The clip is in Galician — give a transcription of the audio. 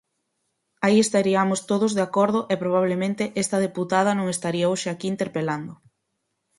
Aí estariamos todos de acordo e probablemente esta deputada non estaría hoxe aquí interpelando.